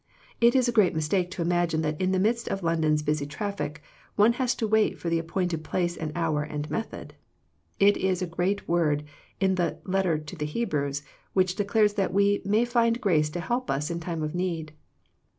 It is a great mistake to imagine that in the midst of London's busy traffic one has to wait for the ap pointed place and hour and method. It is a great word in the " letter to the Hebrews " which declares that we " may find grace to help us in time of need."